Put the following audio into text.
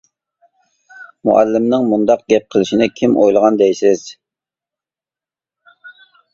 مۇئەللىمنىڭ مۇنداق گەپ قىلىشىنى كىم ئويلىغان دەيسىز.